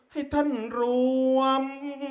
ให้ท่านรวม